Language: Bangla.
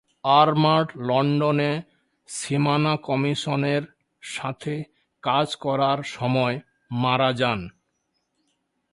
আর্মার্ড লন্ডনে সীমানা কমিশনের সাথে কাজ করার সময় মারা যান।